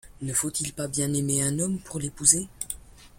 ne faut-il pas bien aimer un homme pour l’épouser?